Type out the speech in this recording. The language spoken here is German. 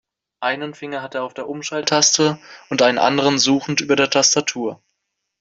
Einen Finger hat er auf der Umschalttaste und einen anderen suchend über der Tastatur.